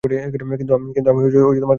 কিন্তু আমি গাঁয়েই থাকব না বৌ।